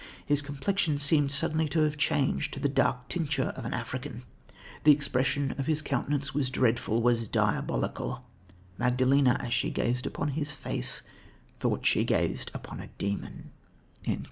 His complexion seemed suddenly to be changed to the dark tincture of an African; the expression of his countenance was dreadful, was diabolical. Magdalena, as she gazed upon his face, thought that she gazed upon a demon."